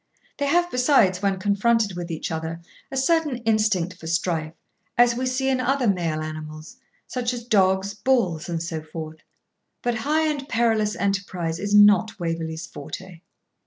They have besides, when confronted with each other, a certain instinct for strife, as we see in other male animals, such as dogs, bulls, and so forth. But high and perilous enterprise is not Waverley's forte.